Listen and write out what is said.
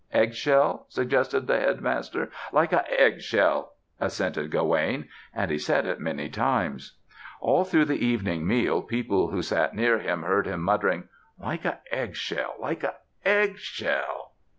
"Egg shell," suggested the Headmaster. "Like a egg shell," assented Gawaine, and he said it many times. All through the evening meal people who sat near him heard him muttering, "Like a egg shell, like a egg shell."